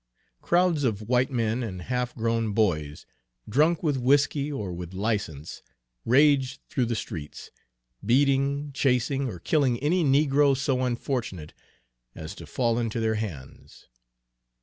Crowds of white men and half grown boys, drunk with whiskey or with license, raged through the streets, beating, chasing, or killing any negro so unfortunate as to fall into their hands.